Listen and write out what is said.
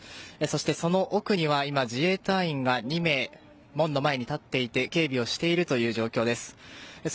その奥には自衛隊員が２名門の前に立っていて警備をしている状況です。